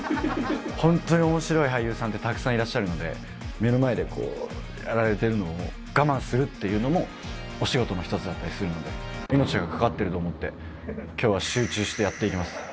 本当におもしろい俳優さんってたくさんいらっしゃるんで、目の前でこうやられてるのを我慢するっていうのも、お仕事の一つだったりするので、命が懸かっていると思って、きょうは集中してやっていきます。